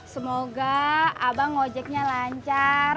semoga abang ojeknya lancar